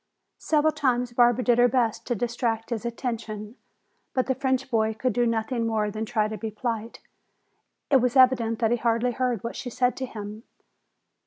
Several times Barbara did her best to distract his attention, but the French boy could do nothing more than try to be polite. It was evident that he hardly heard what she said to him.